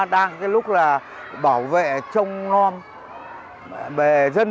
tây đây này lần này